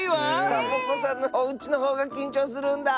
「サボ子さんのおうち」のほうがきんちょうするんだ。